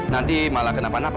nanti malah kenapa napa